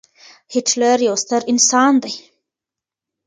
هېټلر يو ستر انسان دی.